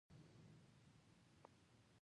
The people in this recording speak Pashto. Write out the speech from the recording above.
نن کړمه هر کلے د ګل اندام پۀ دواړه لاسه